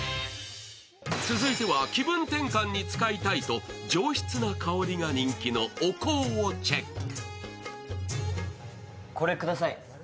続いては気分転換に使いたいと上質な香りが人気のお香をチェック。